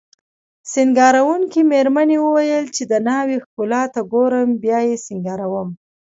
سینګاروونکې میرمنې وویل چې د ناوې ښکلا ته ګورم بیا یې سینګاروم